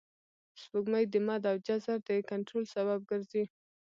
سپوږمۍ د مد او جزر د کنټرول سبب ګرځي